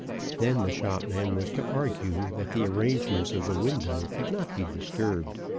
Then the shopman was to argue that the arrangements of the window could not be disturbed.